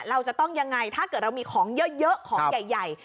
เราจะต้องยังไงถ้าเกิดเรามีของเยอะของใหญ่